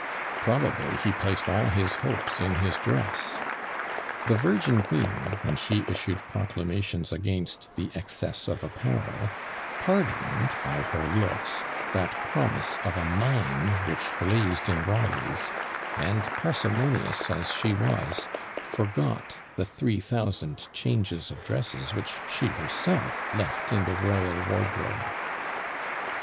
Probably he placed all his hopes in his dress! The virgin queen, when she issued proclamations against "the excess of apparel," pardoned, by her looks, that promise of a mine which blazed in Rawleigh's; and, parsimonious as she was, forgot the three thousand changes of dresses which she herself left in the royal wardrobe.